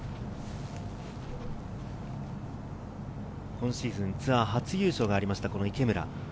今シーズン、ツアー初優勝がありました、池村。